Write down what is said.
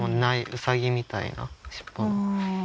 ウサギみたいな尻尾。